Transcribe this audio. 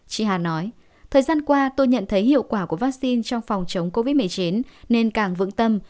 chị hà nói thời gian qua tôi nhận thấy hiệu quả của vaccine trong phòng chống covid một mươi chín nên càng vững tâm